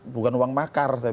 bukan uang makar